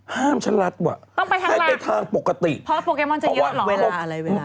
ห้ามฉันรัดว่ะให้เป็นทางปกติเพราะว่าเวลาอะไร